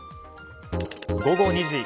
午後２時。